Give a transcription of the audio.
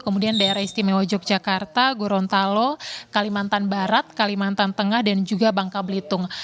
kemudian daerah istimewa yogyakarta gorontalo kalimantan barat kalimantan tengah dan juga bangka belitung